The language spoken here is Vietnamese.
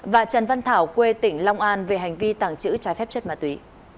và trần văn thảo quê tỉnh long an về hành vi tàng trữ trái phép chất ma túy